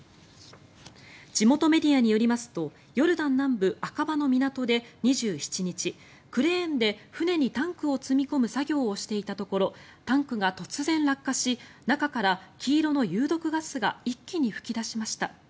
地元メディアによりますとヨルダン南部アカバの港で２７日クレーンで船にタンクを積み込む作業をしていたところタンクが突然落下し中から黄色の有毒ガスが一気に噴き出しました。